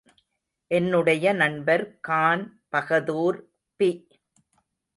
என்னுடைய நண்பர் கான் பகதூர் பி.